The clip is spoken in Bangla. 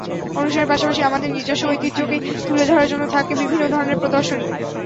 অনুষ্ঠানের পাশাপাশি আমাদের নিজস্ব ঐতিহ্যকে তুলে ধরার জন্য থাকে বিভিন্ন ধরনের প্রদর্শনী।